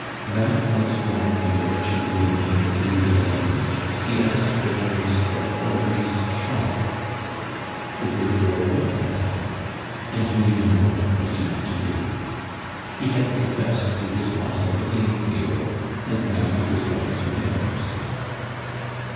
Back once more in the wretched room in the Rue de la Lune, he asked Berenice for Coralie's shawl. The good girl looked at him, and knew in a moment what he meant to do. He had confessed to his loss at the gaming table; and now he was going to hang himself.